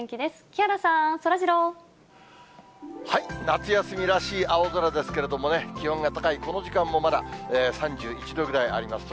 木原さん、夏休みらしい青空ですけれどもね、気温が高い、この時間もまだ、３１度ぐらいあります。